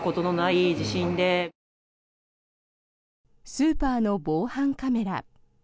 スーパーの防犯カメラ。